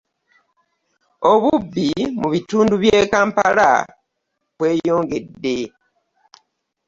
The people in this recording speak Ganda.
Obubbi mu bitundu bya Kampala kweyongedde